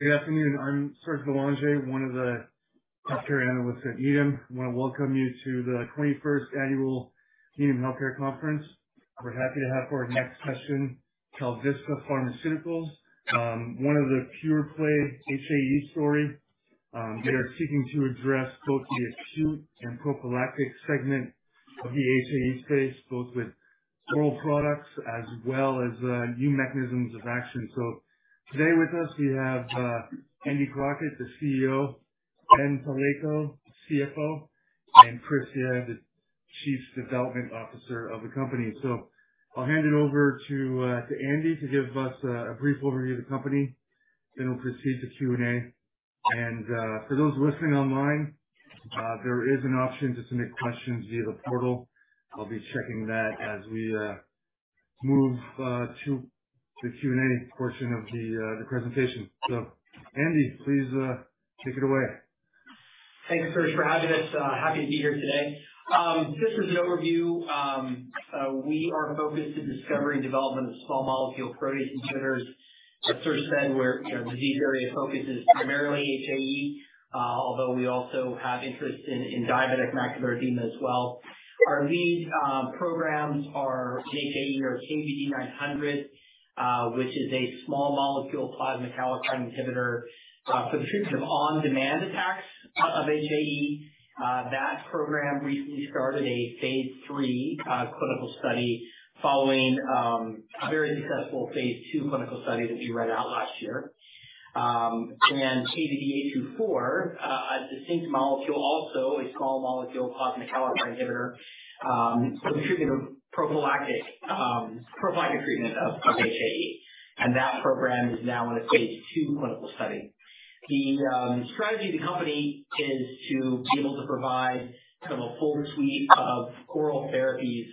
Good afternoon. I'm Serge Belanger, one of the healthcare analysts at Needham. I wanna welcome you to the 21st Annual Needham Healthcare Conference. We're happy to have for our next session, KalVista Pharmaceuticals, one of the pure play HAE story. They are seeking to address both the acute and prophylactic segment of the HAE space, both with oral products as well as new mechanisms of action. Today with us we have, T. Andrew Crockett, the CEO, Benjamin L. Palleiko, CFO, and Christopher M. Yea, the Chief Development Officer of the company. I'll hand it over to Andy to give us a brief overview of the company. Then we'll proceed to Q&A. For those listening online, there is an option to submit questions via the portal. I'll be checking that as we move to the Q&A portion of the presentation. Andy, please, take it away. Thanks, Serge, for having us. Happy to be here today. Just as an overview, we are focused in discovery and development of small molecule protease inhibitors. As Serge said, we're, you know, disease area of focus is primarily HAE, although we also have interest in diabetic macular edema as well. Our lead programs are in HAE, or KVD900, which is a small molecule plasma kallikrein inhibitor, for the treatment of on-demand attacks of HAE. That program recently started a phase III clinical study following a very successful phase II clinical study that we read out last year. KVD824, a distinct molecule, also a small molecule plasma kallikrein inhibitor, for the treatment of prophylactic treatment of HAE. That program is now in a phase II clinical study. The strategy of the company is to be able to provide kind of a full suite of oral therapies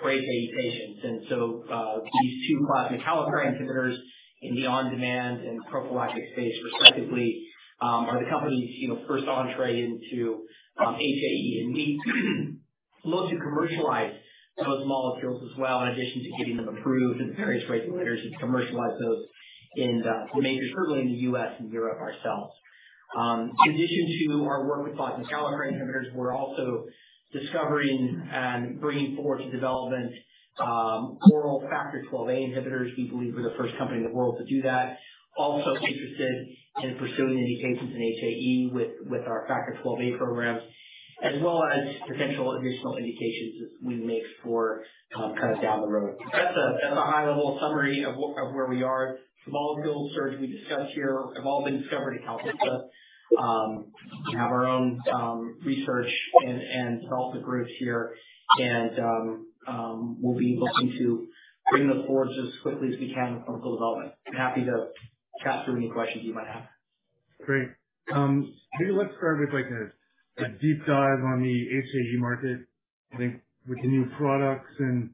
for HAE patients. These two plasma kallikrein inhibitors in the on-demand and prophylactic space respectively are the company's, you know, first entry into HAE. We look to commercialize those molecules as well in addition to getting them approved and various regulatory to commercialize those in the majors, certainly in the U.S. and Europe ourselves. In addition to our work with plasma kallikrein inhibitors, we're also discovering and bringing forward to development oral Factor XIIa inhibitors. We believe we're the first company in the world to do that. Also interested in pursuing indications in HAE with our Factor XIIa programs as well as potential additional indications that we may explore kind of down the road. That's a high-level summary of where we are. The molecules Serge we discussed here have all been discovered at KalVista. We have our own research and development groups here and we'll be looking to bring those forward just as quickly as we can in clinical development. I'm happy to chat through any questions you might have. Great. Maybe let's start with like a deep dive on the HAE market. I think with the new products and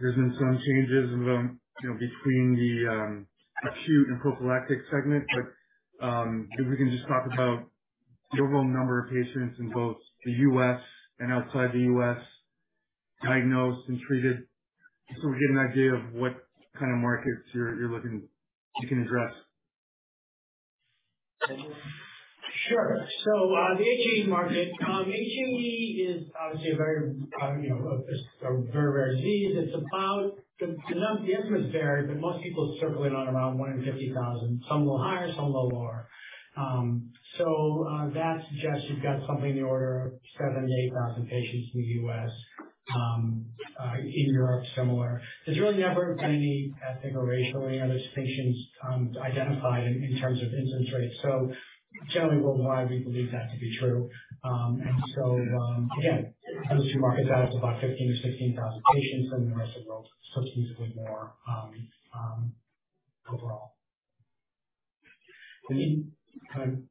there's been some changes you know between the acute and prophylactic segment. If we can just talk about the overall number of patients in both the U.S. and outside the U.S. diagnosed and treated just so we get an idea of what kind of markets you're looking. You can address. Sure. The HAE market. HAE is obviously a very, you know, a very rare disease. It's about the estimates vary, but most people circle it around 1 in 50,000, some a little higher, some a little lower. That suggests you've got something in the order of 7,000 to 8,000 patients in the U.S. In Europe, similar. There's really no ethnic or racial or any other distinctions identified in terms of incidence rates. Generally worldwide, we believe that to be true. Again, those two markets add up to about 15,000 to 16,000 patients plus the rest of the world. It's usually more overall. I'm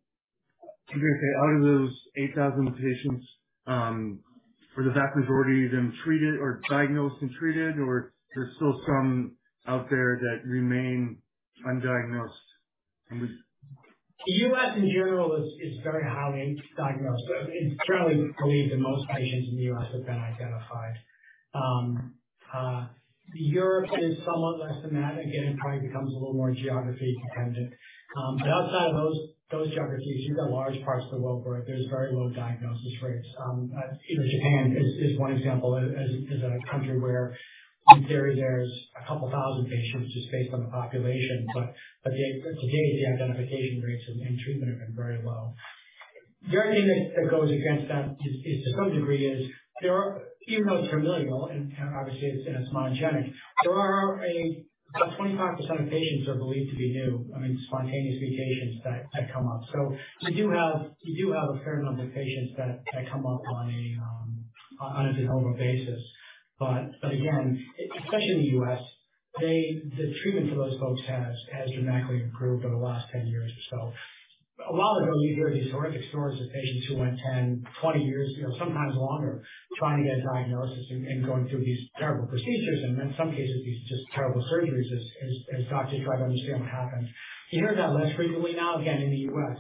curious, out of those 8,000 patients, are the vast majority of them treated or diagnosed and treated, or there's still some out there that remain undiagnosed? The U.S. in general is very highly diagnosed. It's generally believed that most patients in the U.S. have been identified. Europe is somewhat less than that. Again, it probably becomes a little more geography dependent. But outside of those geographies, you've got large parts of the world where there's very low diagnosis rates. Japan is one example as a country where in theory there's a couple thousand patients just based on the population, but to date, the identification rates and treatment have been very low. The only thing that goes against that is to some degree there are even though it's familial and obviously it's monogenic, there are about 25% of patients are believed to be de novo. I mean, spontaneous mutations that come up. You do have a fair number of patients that come up on a de novo basis. Again, especially in the U.S., the treatment for those folks has dramatically improved over the last 10 years or so. A while ago, you'd hear these horrific stories of patients who went 10, 20 years, you know, sometimes longer trying to get a diagnosis and going through these terrible procedures and in some cases these just terrible surgeries as doctors try to understand what happened. You hear that less frequently now, again, in the U.S.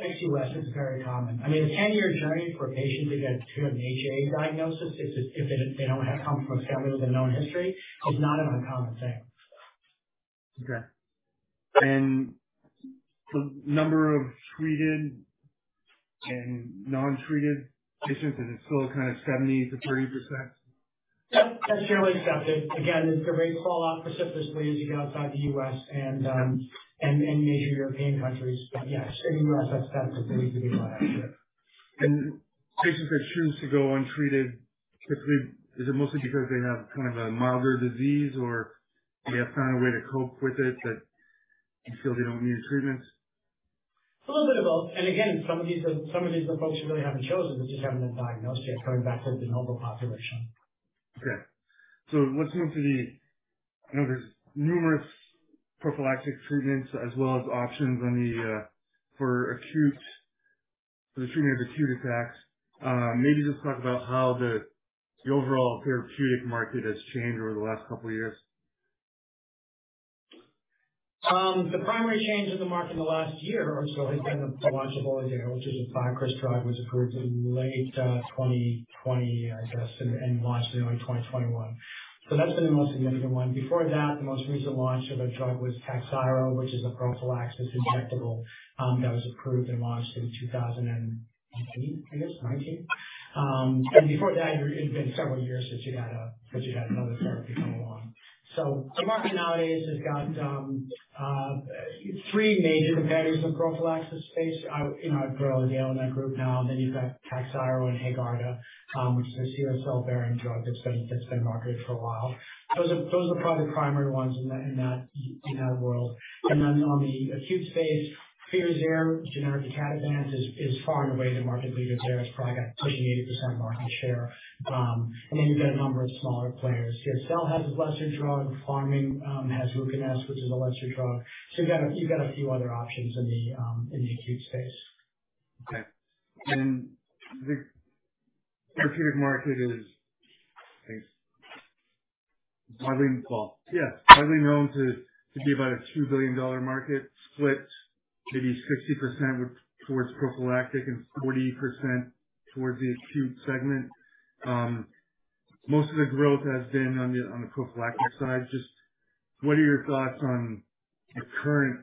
Ex-U.S. it's very common. I mean, a 10-year journey for a patient to get to an HAE diagnosis if they don't come from a family with a known history is not an uncommon thing. Okay. The number of treated and non-treated patients, is it still kind of 70%-30%? Yep. That's fairly accepted. Again, it's a very small opportunity for us as you get outside the U.S. and major European countries. Yes, in U.S. that's definitely the case here. Patients that choose to go untreated, typically, is it mostly because they have kind of a milder disease or they have found a way to cope with it that they feel they don't need treatment? A little bit of both. Again, some of these are folks who really haven't chosen, they just haven't been diagnosed yet, going back to the novel population. Okay. Let's move. I know there's numerous prophylactic treatments as well as options for the treatment of acute attacks. Maybe just talk about how the overall therapeutic market has changed over the last couple of years. The primary change in the market in the last year or so has been the launch of Orladeyo, which is an oral drug, was approved in late 2020, I guess, and launched in early 2021. That's been the most significant one. Before that, the most recent launch of a drug was Takhzyro, which is a prophylactic injectable, that was approved and launched in 2018, I guess, 2019. Before that, it had been several years since you had another drug to come along. The market nowadays has got three major competitors in the prophylaxis space. You know, I've got Orladeyo in that group now, and then you've got Takhzyro and Haegarda, which is a CSL Behring drug that's been marketed for a while. Those are probably the primary ones in that world. In the acute space, Firazyr, generic icatibant is far and away the market leader there. It's probably got pushing 80% market share. You've got a number of smaller players. CSL has a lesser drug. Pharming has Ruconest, which is a lesser drug. You've got a few other options in the acute space. Okay. The therapeutic market is, I think, widely known to be about a $2 billion market, split maybe 60% towards prophylactic and 40% towards the acute segment. Most of the growth has been on the prophylactic side. Just what are your thoughts on the current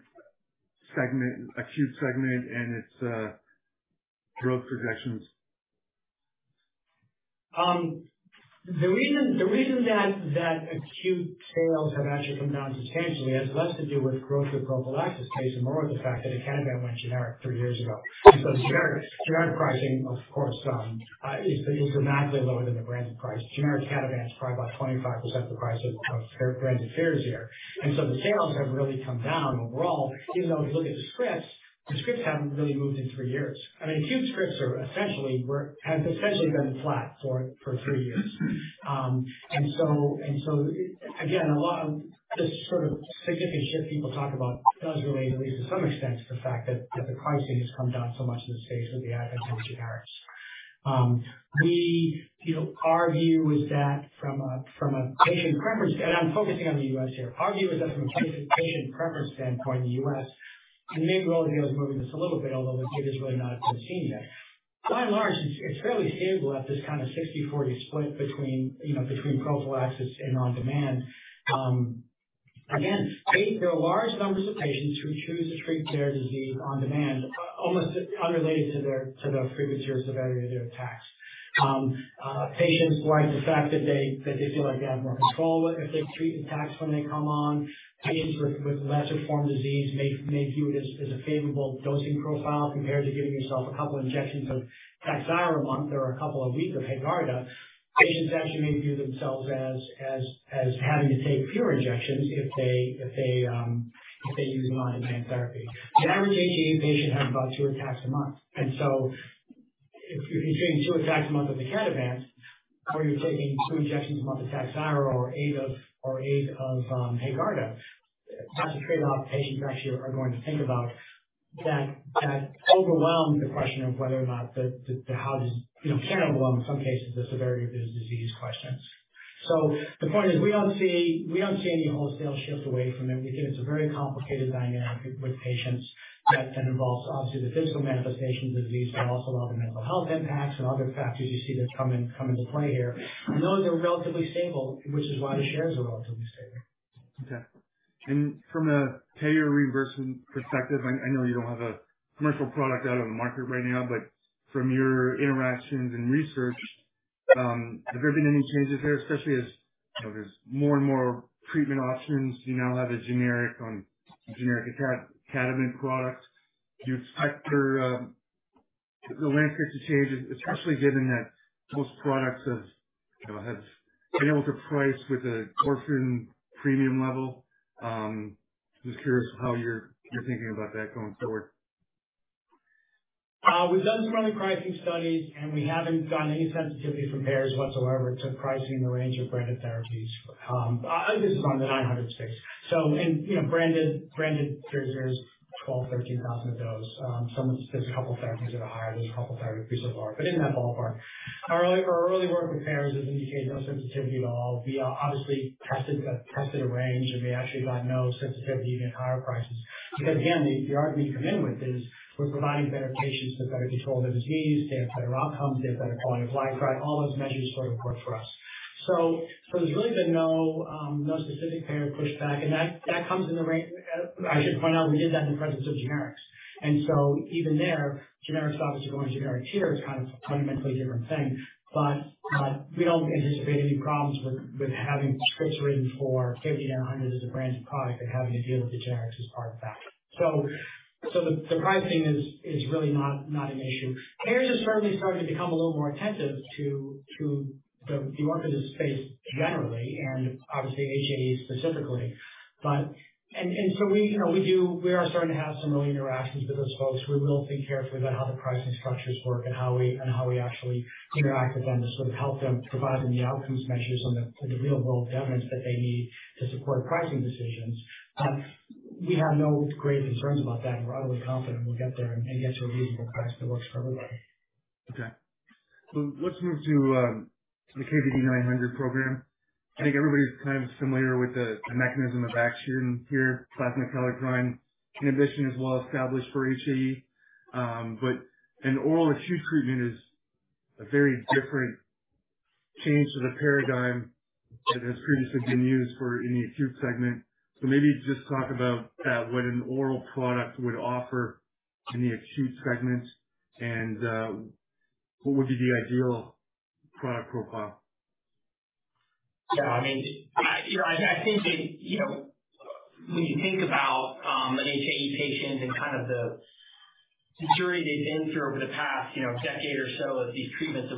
segment, acute segment and its growth projections? The reason that acute sales have actually come down substantially has less to do with growth of prophylaxis case and more of the fact that icatibant went generic three years ago. The generic pricing, of course, is dramatically lower than the branded price. Generic icatibant is probably about 25% the price of branded Firazyr. The sales have really come down overall, even though if you look at the scripts, the scripts haven't really moved in three years. I mean, acute scripts have essentially been flat for three years. A lot of this sort of significant shift people talk about does relate at least to some extent to the fact that the pricing has come down so much in the space with the advent of the generics. We, you know, our view is that from a patient preference standpoint in the U.S., and I'm focusing on the U.S. here. And maybe Eli is moving this a little bit, although it is really not seeing that. By and large, it's fairly stable at this kind of 60/40 split between, you know, prophylaxis and on-demand. Again, there are large numbers of patients who choose to treat their disease on demand, almost unrelated to the frequency or severity of their attacks. Patients like the fact that they feel like they have more control if they treat attacks when they come on. Patients with lesser form disease may view it as a favorable dosing profile compared to giving yourself a couple injections of Takhzyro a month or a couple a week of Haegarda. Patients actually may view themselves as having to take fewer injections if they use on-demand therapy. The average HAE patient has about two attacks a month, and if you're taking two attacks a month of the MAb or you're taking two injections a month of Takhzyro or eight of Haegarda, that's a trade-off patients actually are going to think about that overwhelmed the question of whether or not, you know, generally well in some cases the severity of this disease questions. The point is we don't see any wholesale shift away from it. We think it's a very complicated dynamic with patients that can involve obviously the physical manifestations of disease, but also a lot of mental health impacts and other factors you see that come into play here. We know they're relatively stable, which is why the shares are relatively stable. Okay. From a payer reimbursement perspective, I know you don't have a commercial product out on the market right now, but from your interactions and research, have there been any changes here, especially as you know there's more and more treatment options. You now have a generic icatibant product. Do you expect the landscape to change, especially given that most products have you know have been able to price with an orphan premium level? Just curious how you're thinking about that going forward. We've done some early pricing studies, and we haven't gotten any sensitivity from payers whatsoever to pricing the range of branded therapies. This is on the $900 space. You know, branded therapies are $12,000-$13,000 a dose. There's a couple therapies that are higher, there's a couple therapies which are lower, but in that ballpark. Our early work with payers has indicated no sensitivity at all. We obviously tested a range, and we actually got no sensitivity, even at higher prices. Because, again, the argument you come in with is we're providing better patients to better control their disease. They have better outcomes. They have better quality of life, right? All those measures sort of work for us. There's really been no specific payer pushback. I should point out, we did that in the presence of generics. Even there, generics obviously going to generic tier is kind of a fundamentally different thing. We don't anticipate any problems with having scripts written for KVD900 as a branded product and having to deal with the generics as part of that. The pricing is really not an issue. Payers are certainly starting to become a little more attentive to the orphan drug space generally and obviously HAE specifically. We, you know, are starting to have some early interactions with those folks. We're being careful about how the pricing structures work and how we actually interact with them to sort of help them, providing the outcomes measures on the real-world evidence that they need to support pricing decisions. We have no great concerns about that. We're utterly confident we'll get there and get you a reasonable price that works for everybody. Okay. Let's move to the KVD900 program. I think everybody's kind of familiar with the mechanism of action here. Plasma kallikrein inhibition is well established for HAE. An oral acute treatment is a very different change to the paradigm that has previously been used for any acute segment. Maybe just talk about what an oral product would offer in the acute segment and what would be the ideal product profile? Yeah, I mean, I think that when you think about an HAE patient and kind of the journey they've been through over the past decade or so as these treatments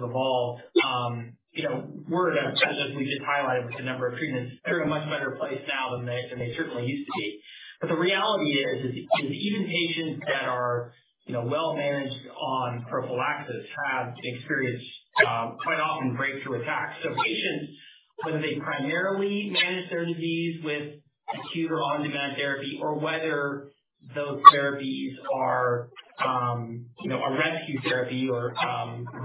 have evolved, we're at a place, as we just highlighted with the number of treatments. They're in a much better place now than they certainly used to be. But the reality is even patients that are well managed on prophylaxis have experienced quite often breakthrough attacks. Patients, whether they primarily manage their disease with acute or on-demand therapy or whether those therapies are a rescue therapy or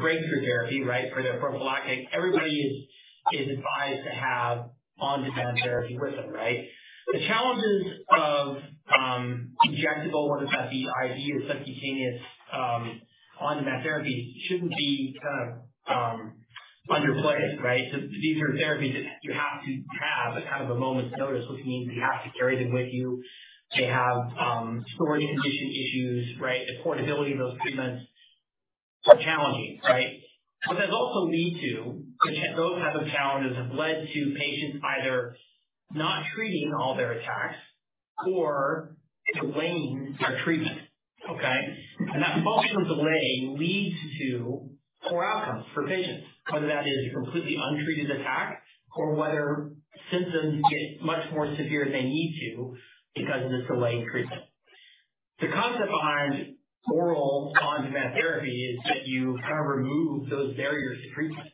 breakthrough therapy, right, for their prophylactic, everybody is advised to have on-demand therapy with them, right? The challenges of injectable, whether that be IV or subcutaneous, on-demand therapy shouldn't be kind of underplayed, right? These are therapies that you have to have at kind of a moment's notice, which means you have to carry them with you. They have storage condition issues, right? The portability of those treatments are challenging, right? Those types of challenges have led to patients either not treating all their attacks or delaying their treatment. Okay? That functional delay leads to poor outcomes for patients, whether that is a completely untreated attack or whether symptoms get much more severe than they need to because of this delayed treatment. The concept behind oral on-demand therapy is that you kind of remove those barriers to treatment,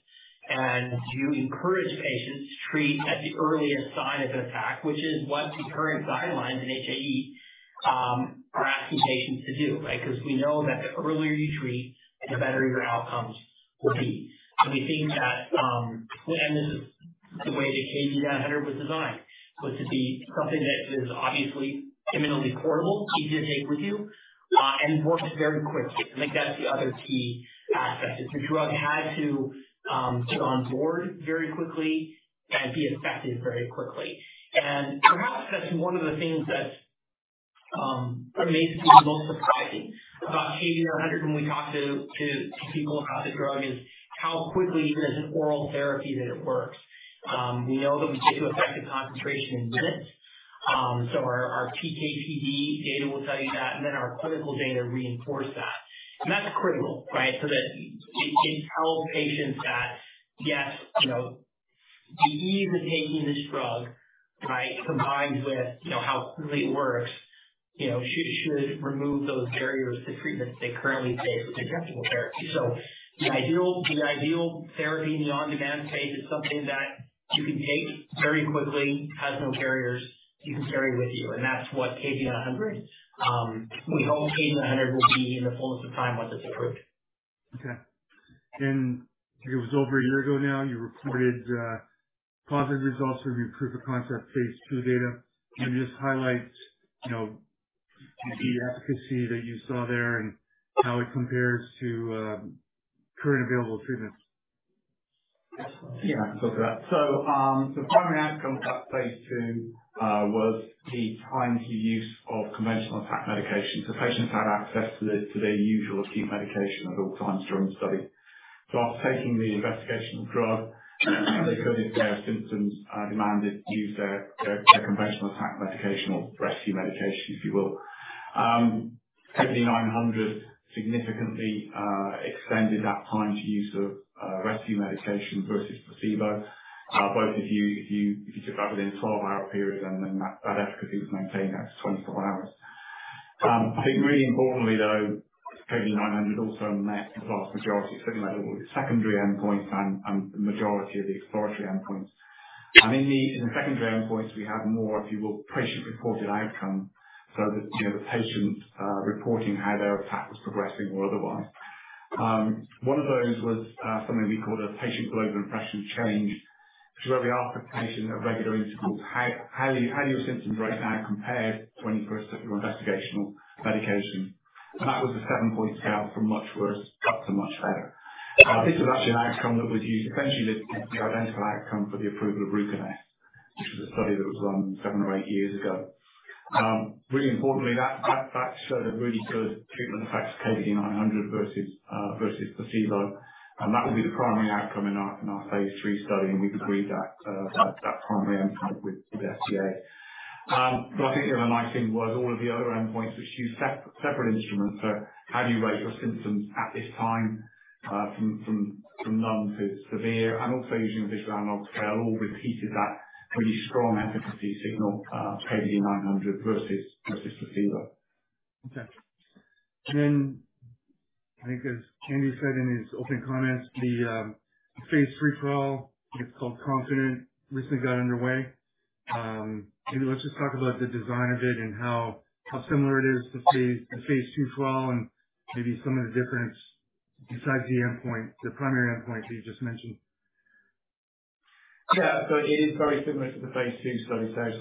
and you encourage patients to treat at the earliest sign of attack, which is what the current guidelines in HAE are asking patients to do, right? Because we know that the earlier you treat, the better your outcomes will be. We think that, and this is the way that KVD900 was designed, was to be something that is obviously eminently portable, easy to take with you, and works very quickly. I think that's the other key aspect is the drug had to get on board very quickly and be effective very quickly. Perhaps that's one of the things that maybe is the most surprising about sebetralstat when we talk to people about the drug is how quickly even as an oral therapy that it works. We know that we get to effective concentration in minutes. Our PK/PD data will tell you that, and then our clinical data reinforce that. That's critical, right? That it tells patients that, yes, you know, the ease of taking this drug, right, combined with, you know, how quickly it works, you know, should remove those barriers to treatment they currently face with injectable therapy. The ideal therapy in the on-demand space is something that you can take very quickly, has no barriers, you can carry with you. That's what KVD900, we hope KVD900 will be in the fullness of time once it's approved. Okay. It was over a year ago now, you reported positive results from your proof of concept phase II data. Can you just highlight, you know, the efficacy that you saw there and how it compares to current available treatments? Yeah, I can talk to that. The primary outcome of that phase II was the time to use of conventional attack medication. Patients had access to their usual acute medication at all times during the study. After taking the investigational drug, if they felt their symptoms demanded to use their conventional attack medication or rescue medication, if you will. KVD900 significantly extended that time to use of rescue medication versus placebo. Both if you took that within a 12-hour period and then that efficacy was maintained after 24 hours. I think really importantly though, KVD900 also met the vast majority, if not all the secondary endpoints and the majority of the exploratory endpoints. In the secondary endpoints, we have more, if you will, patient-reported outcome. The, you know, the patients reporting how their attack was progressing or otherwise. One of those was something we called a Patient Global Impression of Change, which is where we ask the patient at regular intervals, "How are your symptoms right now compared to when you first took your investigational medication?" That was a seven-point scale from much worse up to much better. This was actually an outcome that was used essentially the identical outcome for the approval of Ruconest, which was a study that was run seven or eight years ago. Really importantly that showed a really good treatment effect of KVD900 versus placebo. That will be the primary outcome in our phase III study, and we've agreed that primary endpoint with FDA. But I think the other nice thing was all of the other endpoints which use separate instruments. How do you rate your symptoms at this time from none to severe, and also using Visual Analog Scale, all repeated that pretty strong efficacy signal, KVD900 versus just placebo. Okay. Then I think as Andy said in his opening comments, the phase III trial, I think it's called KONFIDENT, recently got underway. Maybe let's just talk about the design of it and how similar it is to the phase II trial and maybe some of the difference besides the endpoint, the primary endpoint that you just mentioned. Yeah. It is very similar to the phase II study stage.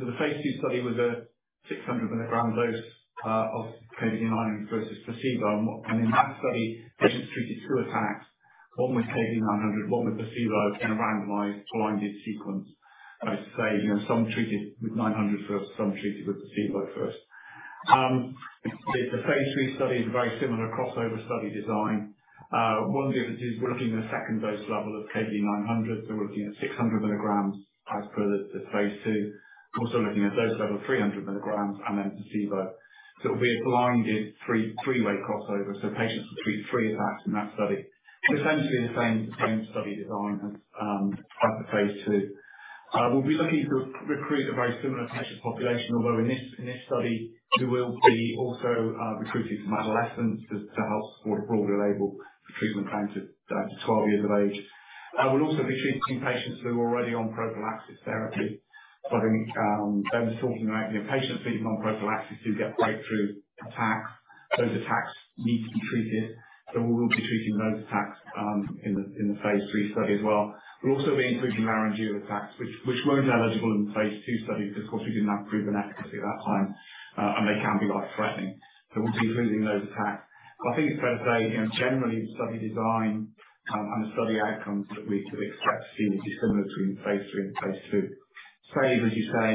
The phase II study was a 600-mg dose of KVD900 versus placebo. In that study, patients treated two attacks, one with KVD900, one with placebo in a randomized blinded sequence. That is to say, you know, some treated with KVD900 first, some treated with placebo first. The phase III study is a very similar crossover study design. One difference is we're looking at a second dose level of KVD900. We're looking at 600 mg as per the phase II. We're also looking at dose level of 300 mg and then placebo. It will be a blinded three-way crossover, so patients will treat three attacks in that study. It's essentially the same study design as the phase II. We'll be looking to recruit a very similar patient population, although in this study, we will be also recruiting some adolescents to help support a broader label for treatment down to 12 years of age. We'll also be treating patients who are already on prophylaxis therapy. I think Ben was talking about, you know, patients treated on prophylaxis who get breakthrough attacks. Those attacks need to be treated, so we will be treating those attacks in the phase III study as well. We'll also be including laryngeal attacks which weren't eligible in the phase II study because, of course, we didn't have proven efficacy at that time, and they can be life-threatening. We'll be including those attacks. I think it's fair to say, you know, generally the study design and the study outcomes that we expect to see will be similar between phase III and phase II. Same, as you say,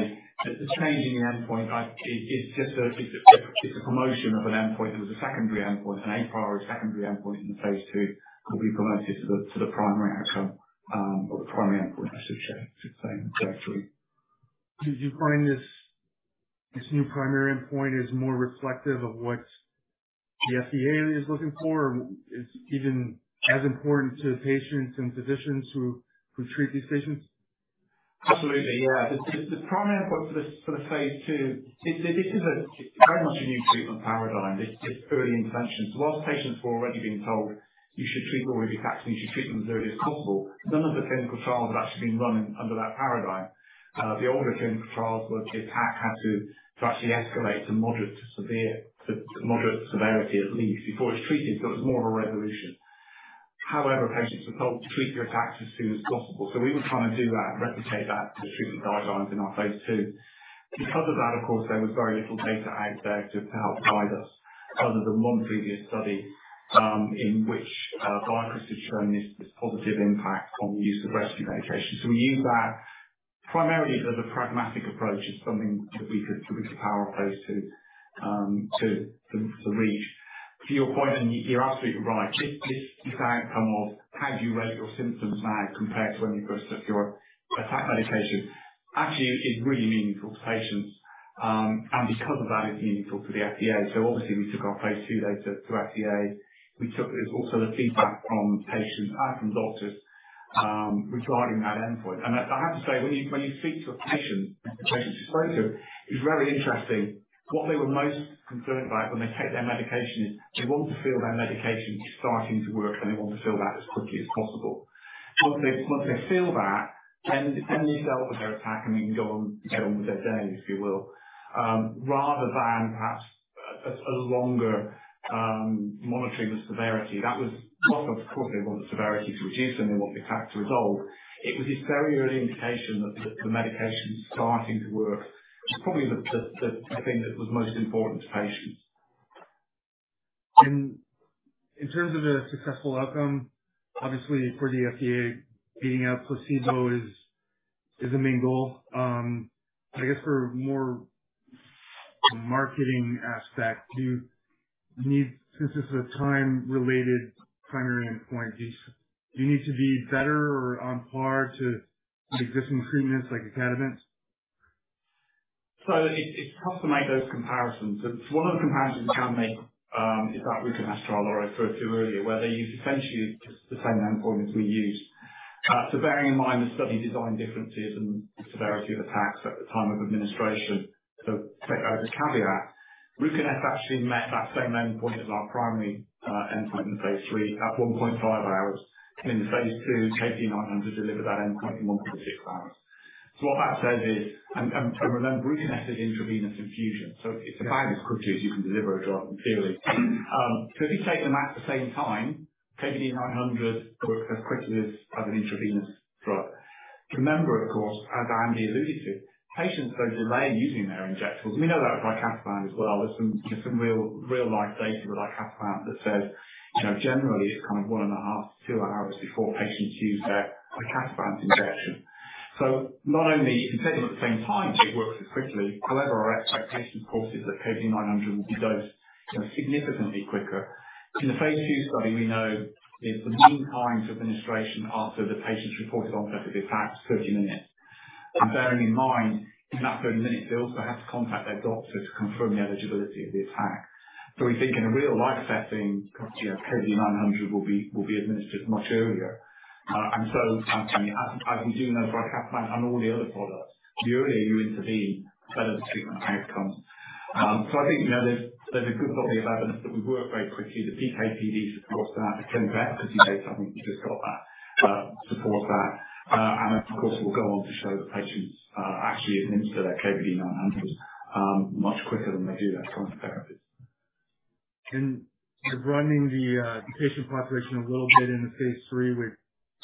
the change in the endpoint, it's just a promotion of an endpoint. It was a secondary endpoint, an a priori secondary endpoint in the phase II will be promoted to the primary outcome, or the primary endpoint I should say, actually. Did you find this new primary endpoint is more reflective of what the FDA is looking for or it's even as important to patients and physicians who treat these patients? Absolutely, yeah. The primary endpoint for the phase II, it is a very much a new treatment paradigm. It's early intervention. While patients were already being told, "You should treat all of your attacks and you should treat them as early as possible," none of the clinical trials had actually been run under that paradigm. The older clinical trials were the attack had to actually escalate to moderate, to severe, to moderate severity at least before it's treated, so it was more of a resolution. However, patients were told to treat their attacks as soon as possible. We were trying to do that and replicate that for the treatment guidelines in our phase II. Because of that, of course, there was very little data out there to help guide us other than one previous study in which Takhzyro had shown this positive impact on the use of rescue medication. We used that primarily as a pragmatic approach. It's something that we could power a phase II to reach. To your point, and you're absolutely right, this outcome of how do you rate your symptoms now compared to when you first took your attack medication actually is really meaningful to patients. Because of that, it's meaningful to the FDA. Obviously we took our phase II data to FDA. We also took the feedback from patients and from doctors regarding that endpoint. I have to say, when you speak to a patient, the patients you spoke of, it's very interesting. What they were most concerned about when they take their medication is they want to feel their medication starting to work, and they want to feel that as quickly as possible. Once they feel that, then they're dealt with their attack and they can go on, get on with their day, if you will. Rather than perhaps a longer monitoring the severity. That was. Of course they want the severity to reduce, and they want the attack to resolve. It was this very early indication that the medication's starting to work, which is probably the thing that was most important to patients. In terms of a successful outcome, obviously for the FDA, beating out placebo is the main goal. I guess for more marketing aspect, since this is a time-related primary endpoint, do you need to be better or on par to existing treatments like icatibant? It's tough to make those comparisons. One of the comparisons we can make is that Ruconest trial that I referred to earlier, where they used essentially the same endpoint as we used. Bearing in mind the study design differences and severity of attacks at the time of administration, take out the caveat, Ruconest actually met that same endpoint as our primary endpoint in phase III at 1.5 hours. In the phase II, KVD 900 delivered that endpoint in 1.6 hours. What that says is, remember, Ruconest is intravenous infusion, so it's about as quickly as you can deliver a drug, clearly. If you've taken that at the same time, KVD 900 works as quickly as an intravenous drug. Remember, of course, as Andy alluded to, patients are delaying using their injectables. We know that with icatibant as well. There's some, you know, real-life data with icatibant that says, you know, generally it's kind of 1.5-2 hours before patients use their icatibant injection. Not only you can take them at the same time, it works as quickly. However, our expectation, of course, is that KVD900 will be dosed, you know, significantly quicker. In the phase II study, we know the mean time to administration after the patients reported onset of the attack is 30 minutes. Bearing in mind, in that 30 minutes, they also have to contact their doctor to confirm the eligibility of the attack. We think in a real-life setting, you know, KVD900 will be administered much earlier. As we do know for sebetralstat and all the other products, the earlier you intervene, the better the treatment outcome. I think, you know, there's a good body of evidence that we work very quickly. The PK/PD supports that. The clinical efficacy data I think we've just got that supports that. Of course, we'll go on to show that patients actually administer their KVD900 much quicker than they do their current therapies. Broadening the patient population a little bit in the phase III with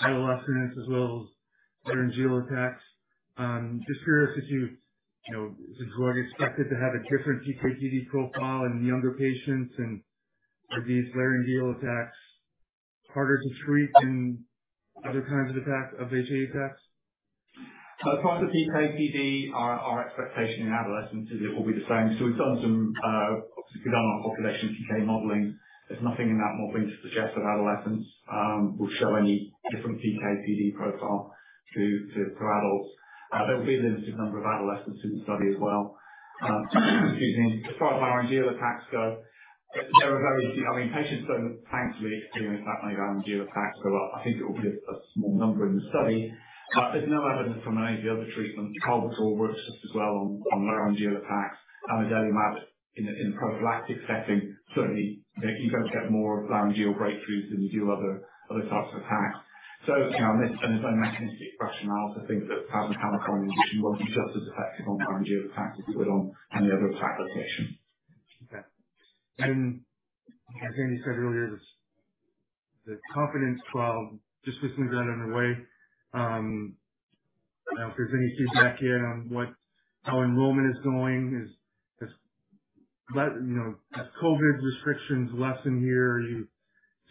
adolescents as well as laryngeal attacks, just curious if you know, is the drug expected to have a different PK/PD profile in younger patients, and are these laryngeal attacks harder to treat than other kinds of attacks of HAE attacks? Apart from PK/PD, our expectation in adolescents is that it will be the same. We've done some obviously, based on our population PK modeling, there's nothing in that modeling to suggest that adolescents will show any different PK/PD profile to adults. There will be a limited number of adolescents in the study as well. As far as laryngeal attacks go, there are very few. I mean, patients don't thankfully experience that many laryngeal attacks, so I think it will be a small number in the study. There's no evidence from any of the other treatments. Kalbitor works just as well on laryngeal attacks. lanadelumab in a prophylactic setting certainly, you know, you're gonna get more laryngeal breakthroughs than you do other types of attacks. You know, on this, there's no mechanistic rationale to think that Takhzyro would be just as effective on laryngeal attacks as it would on any other attack location. Okay. As Andy said earlier, the KONFIDENT trial, just since we got it underway, if there's any feedback yet on how enrollment is going. You know, as COVID restrictions lessen here, are you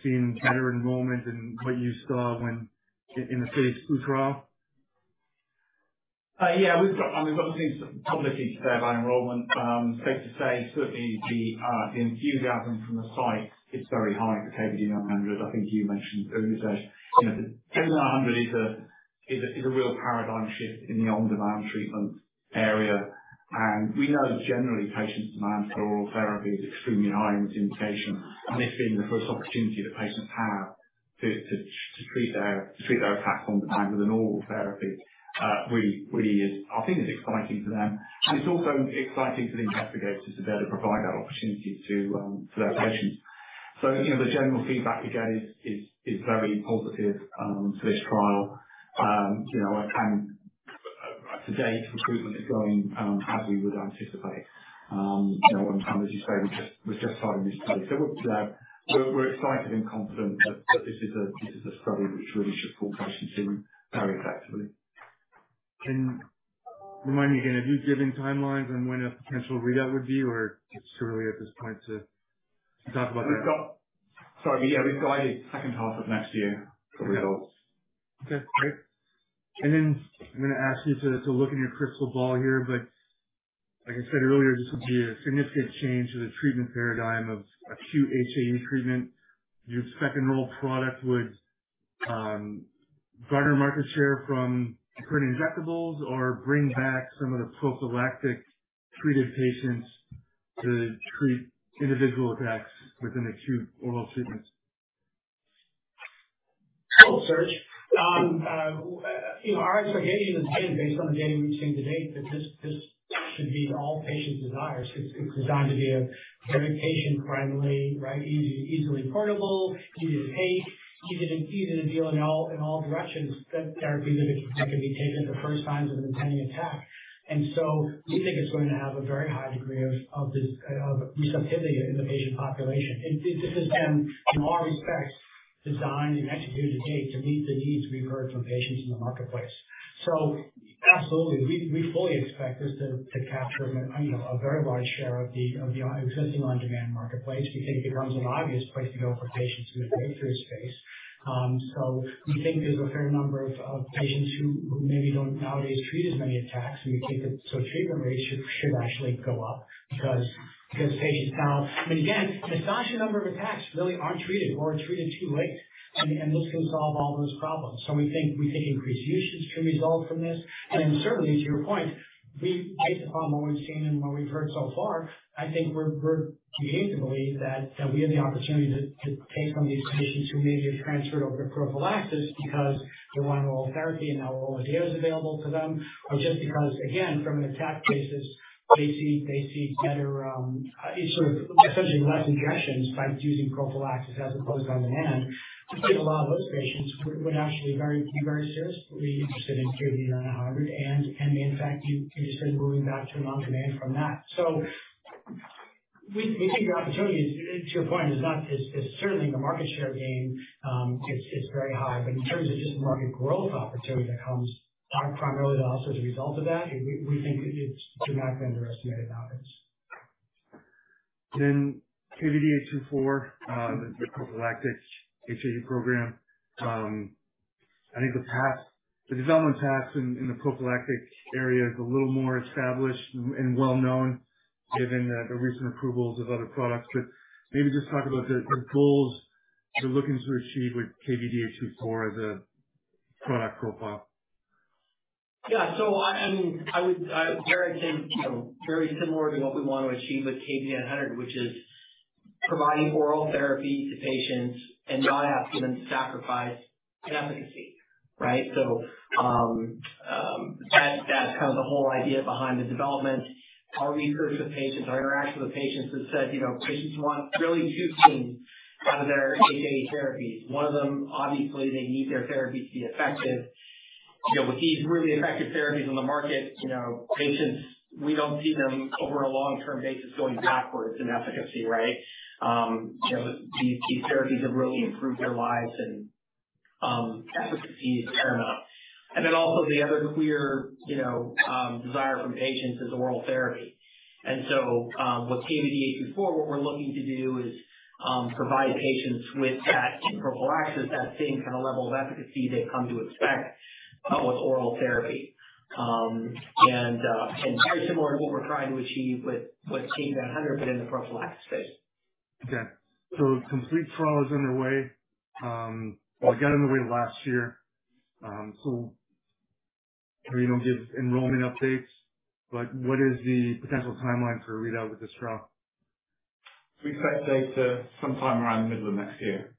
seeing better enrollment than what you saw in the phase II trial? Yeah. I mean, we've got nothing publicly to say about enrollment. Safe to say, certainly the enthusiasm from the site is very high for KVD900. I think you mentioned earlier that, you know, KVD900 is a real paradigm shift in the on-demand treatment area. We know generally patients' demand for oral therapy is extremely high in this indication. This being the first opportunity that patients have to treat their attack on demand with an oral therapy really is, I think, exciting for them. It's also exciting for the investigators to be able to provide that opportunity to their patients. You know, the general feedback we get is very positive to this trial. You know, to date, recruitment is going as we would anticipate. You know, as you say, we're just starting this study. We're excited and confident that this is a study which really should pull patients in very effectively. Can you remind me again, have you given timelines on when a potential readout would be, or it's too early at this point to talk about that? We've guided second half of next year for results. Okay, great. I'm gonna ask you to look in your crystal ball here, like I said earlier, this would be a significant change to the treatment paradigm of acute HAE treatment. Do you expect an oral product would garner market share from current injectables or bring back some of the prophylactic treated patients to treat individual attacks with an acute oral treatment? Hope so. You know, our expectation is, again based on the data we've seen to date, that this should meet all patients' desires. It's designed to be a very patient-friendly, right, easy, easily portable, easy to take, easy to deal in all directions, the therapy that can be taken at the first signs of an impending attack. We think it's going to have a very high degree of this acceptability in the patient population. It has been, in all respects, designed and executed to date to meet the needs we've heard from patients in the marketplace. Absolutely, we fully expect this to capture a, you know, a very large share of the existing on-demand marketplace. We think it becomes an obvious place to go for patients in the breakthrough space. We think there's a fair number of patients who maybe don't nowadays treat as many attacks, and we think treatment rates should actually go up because patients now... I mean, again, a substantial number of attacks really aren't treated or are treated too late. This can solve all those problems. We think increased usage should result from this. Certainly to your point, we based upon what we've seen and what we've heard so far, I think we're beginning to believe that we have the opportunity to take some of these patients who may have transferred over to prophylaxis because they want an oral therapy and now Orladeyo is available to them. Just because, again, from an attack basis, they see better, sort of essentially less injections by using prophylaxis as opposed on-demand. We think a lot of those patients would actually be very seriously interested in KVD900 and in fact, you said moving back to an on-demand from that. So We think the opportunity is, to your point, not as certainly in the market share gain is very high. In terms of just market growth opportunity that comes are primarily also as a result of that, we think it's dramatically underestimated in the outlook. KVD-824, the prophylactic HAE program. I think the development path in the prophylactic area is a little more established and well-known given the recent approvals of other products. Maybe just talk about the goals you're looking to achieve with KVD-824 as a product profile. Yeah. I mean, Derek said, you know, very similar to what we want to achieve with KVD900, which is providing oral therapy to patients and not have to then sacrifice efficacy, right? That, that's kind of the whole idea behind the development. Our research with patients, our interaction with patients has said, you know, patients want really two things out of their HAE therapies. One of them, obviously they need their therapy to be effective. You know, with these really effective therapies on the market, you know, patients, we don't see them over a long-term basis going backwards in efficacy, right? You know, these therapies have really improved their lives and, efficacy is paramount. Then also the other clear, you know, desire from patients is oral therapy. With KVD824, what we're looking to do is provide patients with that prophylaxis, that same kind of level of efficacy they've come to expect with oral therapy. Very similar to what we're trying to achieve with KVD900 but in the prophylaxis space. KONFIDENT trial is underway, or got underway last year. I know you don't give enrollment updates, but what is the potential timeline for a readout with this trial? We expect data sometime around the middle of next year.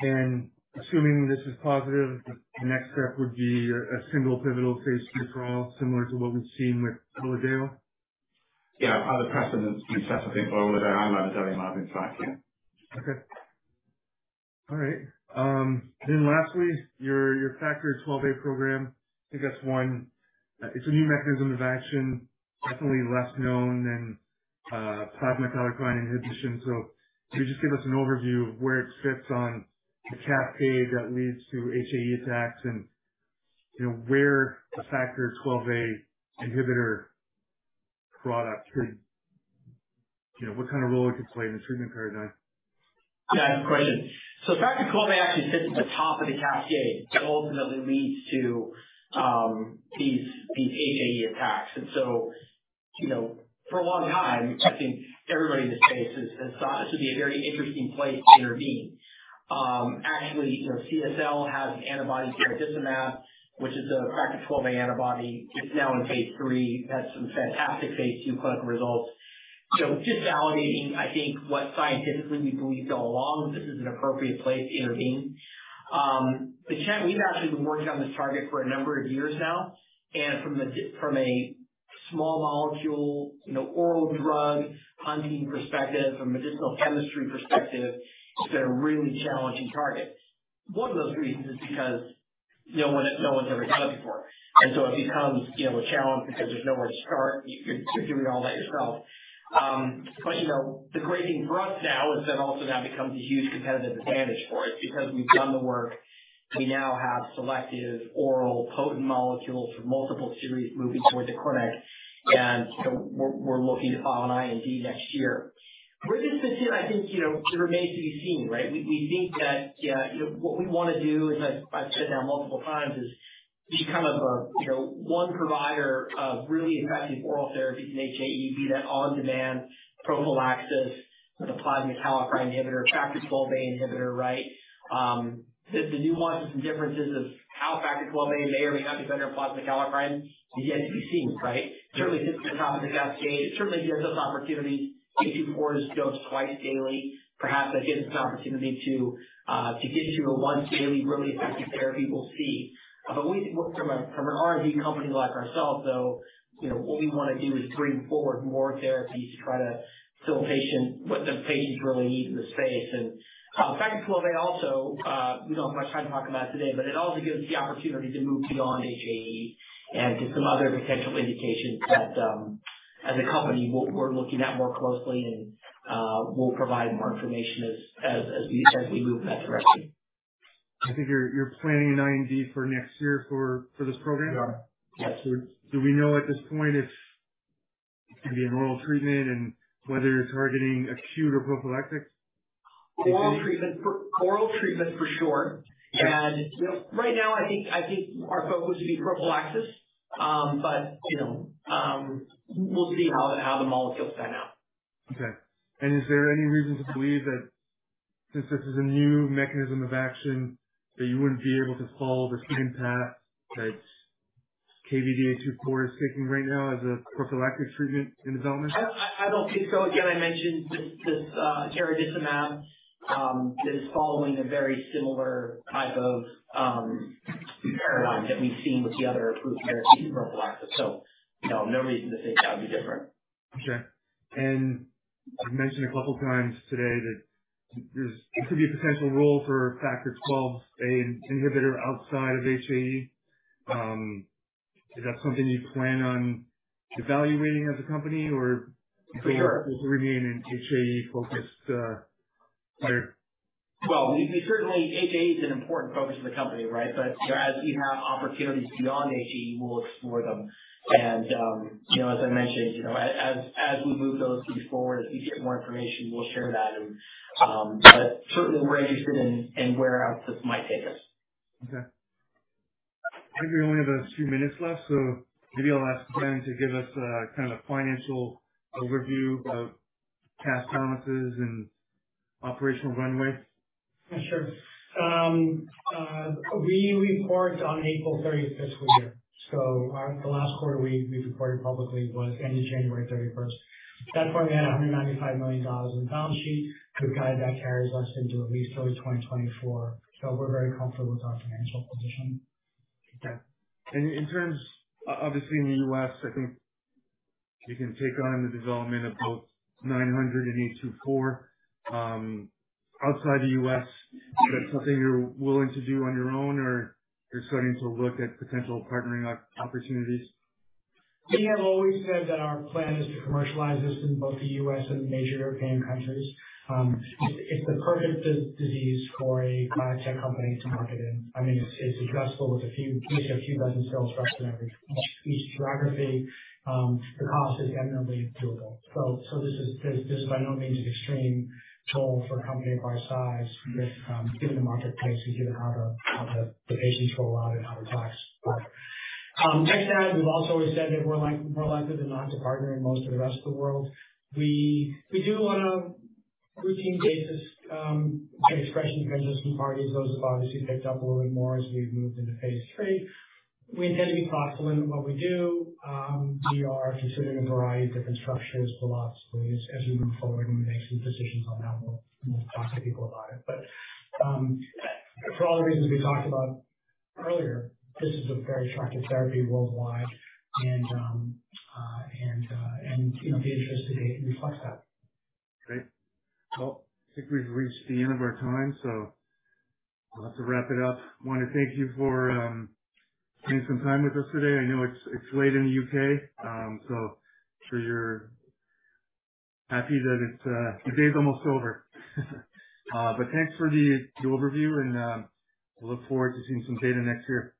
Okay. Assuming this is positive, the next step would be a single pivotal phase II trial similar to what we've seen with Orladeyo. Yeah. Other precedents we've set, I think Orladeyo and Takhzyro have been tracking. Okay. All right. Lastly, your Factor XIIa program, I think that's one. It's a new mechanism of action, definitely less known than plasma kallikrein inhibition. Can you just give us an overview of where it sits on the cascade that leads to HAE attacks and, you know, where the Factor XIIa inhibitor product could, you know, what kind of role it could play in the treatment paradigm? Yeah, good question. Factor XIIa actually sits at the top of the cascade that ultimately leads to these HAE attacks. You know, for a long time I think everybody in this space has thought this would be a very interesting place to intervene. Actually, you know, CSL has an antibody, garadacimab, which is a Factor XIIa antibody. It's now in phase III. That's some fantastic phase II clinical results. Just validating, I think, what scientifically we believed all along, this is an appropriate place to intervene. We've actually been working on this target for a number of years now, and from a small molecule, you know, oral drug hunting perspective, from medicinal chemistry perspective, it's been a really challenging target. One of those reasons is because no one's ever done it before. It becomes, you know, a challenge because there's nowhere to start. You're doing it all by yourself. You know, the great thing for us now is that also now becomes a huge competitive advantage for us because we've done the work. We now have selective oral potent molecules from multiple series moving towards the clinic. You know, we're looking to file an IND next year. Where this fits in, I think, you know, remains to be seen, right? We think that, you know, what we wanna do, as I've said now multiple times, is become a, you know, one provider of really effective oral therapies in HAE, be that on-demand prophylaxis with a plasma kallikrein inhibitor, Factor XIIa inhibitor, right? The nuances and differences of how Factor XIIa may or may not be better than plasma kallikrein is yet to be seen, right? Certainly sits at the top of the cascade. It certainly gives us opportunity. If you were to dose twice daily perhaps that gives us opportunity to get to a once daily really effective therapy. We'll see. We think from an R&D company like ourselves, though, you know, what we wanna do is bring forward more therapies to try to fill what the patients really need in the space. Factor XIIa also, we don't have much time to talk about it today, but it also gives the opportunity to move beyond HAE and to some other potential indications that, as a company, we're looking at more closely and we'll provide more information as we move in that direction. I think you're planning an IND for next year for this program? Yeah. Yes. Do we know at this point if it's gonna be an oral treatment and whether you're targeting acute or prophylactic? Oral treatment for sure. Right now I think our focus would be prophylaxis. You know, we'll see how the molecules pan out. Okay. Is there any reason to believe that since this is a new mechanism of action, that you wouldn't be able to follow the same path that KVD824 is taking right now as a prophylactic treatment in development? I don't think so. Again, I mentioned this garadacimab is following a very similar type of paradigm that we've seen with the other approved therapies in prophylaxis. You know, no reason to think that would be different. You've mentioned a couple times today that there could be a potential role for Factor XIIa inhibitor outside of HAE. Is that something you plan on evaluating as a company or- Sure. remain an HAE focused player? HAE is an important focus of the company, right? As we have opportunities beyond HAE, we'll explore them. You know, as I mentioned, you know, as we move those things forward, as we get more information, we'll share that. Certainly we're interested in where else this might take us. Okay. I think we only have a few minutes left, so maybe I'll ask Ben to give us a kind of financial overview of cash balances and operational runway. Sure. We report on April 30th for the year. The last quarter we reported publicly was ending January 31st. At that point, we had $195 million in the balance sheet. Good guide that carries us into at least early 2024. We're very comfortable with our financial position. Okay. In terms, obviously in the U.S., I think you can take on the development of both 900 and 824. Outside the U.S., is that something you're willing to do on your own or you're starting to look at potential partnering opportunities? We have always said that our plan is to commercialize this in both the U.S. and major European countries. It's the perfect disease for a biotech company to market in. I mean, it's addressable with just a few dozen sales reps in each geography. The cost is eminently doable. This is by no means an extreme toll for a company of our size. Given the market price, you can get how the patients roll out and how attacks. That said, we've also always said that we're like more likely than not to partner in most of the rest of the world. We do on a routine basis get expressions of interest from parties. Those have obviously picked up a little bit more as we've moved into phase III. We intend to be thoughtful in what we do. We are considering a variety of different structures philosophically. As we move forward and we make some decisions on that, we'll talk to people about it. For all the reasons we talked about earlier, this is a very attractive therapy worldwide and you know, the interest to date reflects that. Great. Well, I think we've reached the end of our time, so I'll have to wrap it up. I want to thank you for taking some time with us today. I know it's late in the U.K. So I'm sure you're happy that it's your day's almost over. But thanks for the overview, and we'll look forward to seeing some data next year.